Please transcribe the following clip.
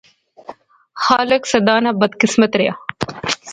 خالق سدا نا بدقسمت ریا